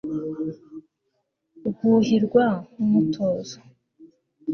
rwuhirwa n'umutozo